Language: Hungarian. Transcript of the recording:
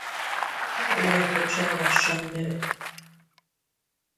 Meglehetősen lassan nő.